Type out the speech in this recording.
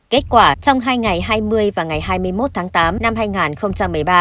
kết quả trong hai ngày hai mươi và ngày hai mươi một tháng tám năm hai nghìn một mươi ba